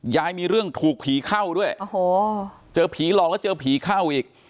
ยังมีเรื่องถูกผีเข้าด้วยโอ้โหเจอผีหลอกแล้วเจอผีเข้าอีก